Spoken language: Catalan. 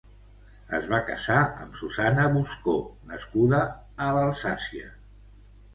Es va casar amb Susanna Buscó, nascuda a l'Alsàcia.